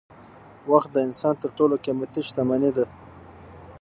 وخت د انسان تر ټولو قيمتي شتمني ده.